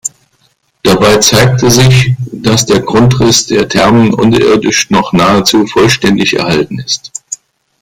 Dabei zeigte sich, dass der Grundriss der Thermen unterirdisch noch nahezu vollständig erhalten ist.